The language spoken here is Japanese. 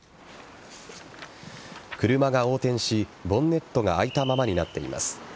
車が横転し、ボンネットが開いたままになっています。